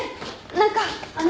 何かあの。